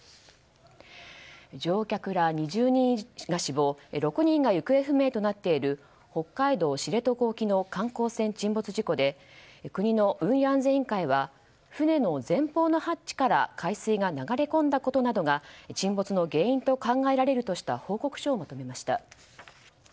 乗客ら２０人が死亡６人が行方不明となっている北海道知床沖の観光船沈没事故で国の運輸安全委員会は船の前方のハッチから海水が流れ込んだことなどが沈没の原因と考えられるとした報告書をまとめました。